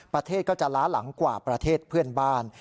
ประเทศก็จะล้าหลังกว่าประเทศเพื่อนบ้าน